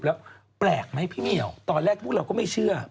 แล้วแปลกไหมพี่เหมียวตอนแรกพวกเราก็ไม่เชื่อ